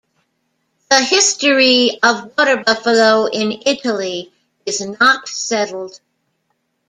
The history of water buffalo in Italy is not settled.